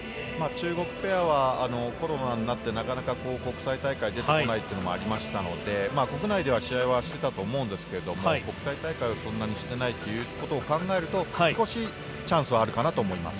中国ペアはコロナになって、なかなか国際大会に出てこないということもあって国内で試合はしていたと思いますが、国際大会はそんなにしていないということを考えると少しチャンスはあるかなと思います。